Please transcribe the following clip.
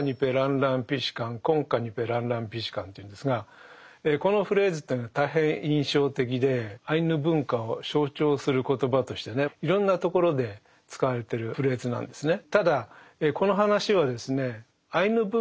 アイヌ語でいうとこのフレーズっていうのは大変印象的でアイヌ文化を象徴する言葉としてねいろんなところで使われてるフレーズなんですね。